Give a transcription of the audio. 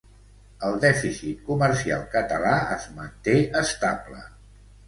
El dèficit comercial català es manté estable.